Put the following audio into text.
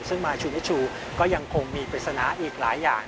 ซึ่งมาชูมิชชูก็ยังคงมีปริศนาอีกหลายอย่าง